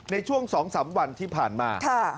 ในช่วง๒๓วันที่ผ่านมา